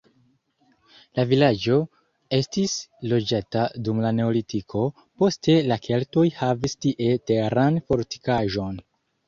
La vilaĝo estis loĝata dum la neolitiko, poste la keltoj havis tie teran fortikaĵon.